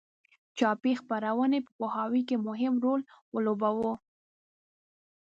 چاپي خپرونې په پوهاوي کې مهم رول ولوباوه.